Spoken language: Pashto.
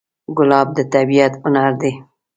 ګلاب د طبیعت هنر دی.